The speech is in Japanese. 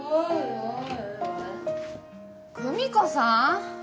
・久美子さん？